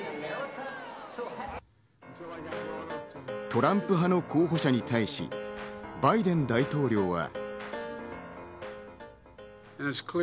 トランプ派の候補者に対し、バイデン大統領は。